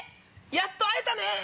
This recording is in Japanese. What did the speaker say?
やっと会えたね。